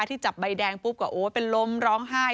ที่จับใบแดงปุ๊บก็โอ้เป็นลมร้องไห้